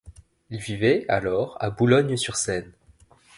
Il vivait alors à Boulogne-sur-Seine.